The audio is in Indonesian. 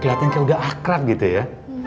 kelihatan kayak udah akrab gitu ya